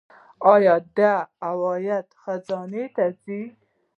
آیا دا عواید خزانې ته ځي؟